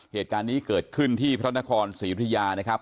เหตุการณ์นี้เกิดขึ้นที่พระนครศรีอุทยานะครับ